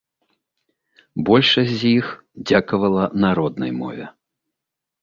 Большасць з іх дзякавала на роднай мове.